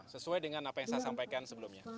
sesuai dengan apa yang saya sampaikan sebelumnya